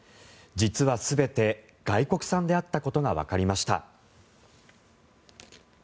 実は全て外国産であったことがわかりました。